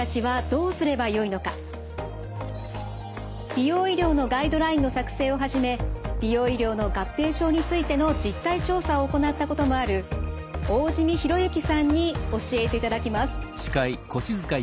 美容医療のガイドラインの作成をはじめ美容医療の合併症についての実態調査を行ったこともある大慈弥裕之さんに教えていただきます。